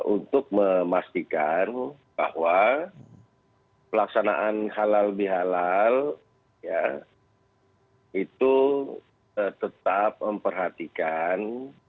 untuk memastikan bahwa pelaksanaan halal bihalal itu tetap memperhatikan